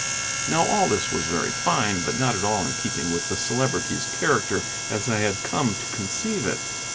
Now all this was very fine, but not at all in keeping with the Celebrity's character as I had come to conceive it.